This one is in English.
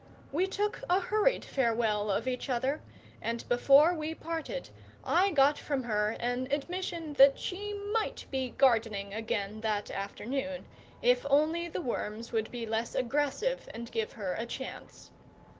We took a hurried farewell of each other, and before we parted I got from her an admission that she might be gardening again that afternoon, if only the worms would be less aggressive and give her a chance.